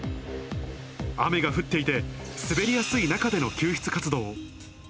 雨が降っていて、滑りやすい中での救出活動。